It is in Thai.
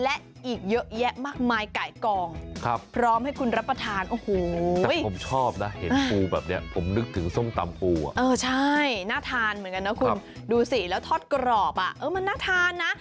เออใช่น่าทานเหมือนกันนะคุณดูสิแล้วทอดกรอบอ่ะเออมันน่าทานนะ